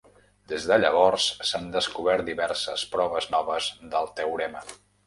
Des de llavors, s'han descobert diverses proves noves del teorema.